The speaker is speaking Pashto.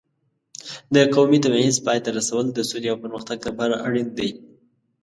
د قومي تبعیض پای ته رسول د سولې او پرمختګ لپاره اړین دي.